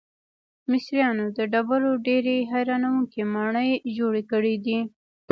مصریانو د ډبرو ډیرې حیرانوونکې ماڼۍ جوړې کړې دي.